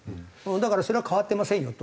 だからそれは変わってませんよと。